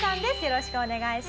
よろしくお願いします。